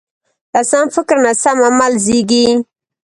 له سم فکر نه سم عمل زېږي.